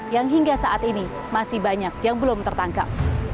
yang hingga saat ini masih banyak yang belum tertangkap